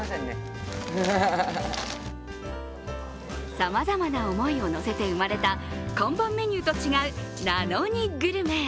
さまざまな思いをのせて生まれた看板メニューと違う「なのにグルメ」。